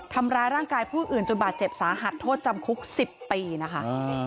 ทำร้ายร่างกายผู้อื่นจนบาดเจ็บสาหัสโทษจำคุก๑๐ปีนะคะ